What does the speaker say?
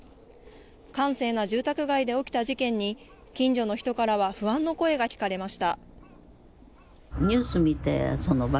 閑静な住宅街で起きた事件に近所の人からは不安の声が聞かれました。